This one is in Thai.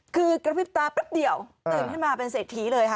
คือกระพริบตาแป๊บเดียวตื่นขึ้นมาเป็นเศรษฐีเลยค่ะ